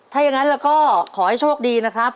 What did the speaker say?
ถ้าอย่างนั้นเราก็ขอให้โชคดีนะครับ